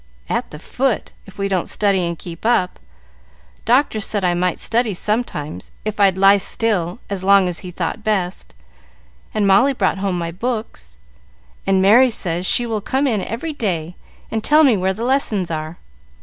"At the foot, if we don't study and keep up. Doctor said I might study sometimes, if I'd lie still as long as he thought best, and Molly brought home my books, and Merry says she will come in every day and tell me where the lessons are.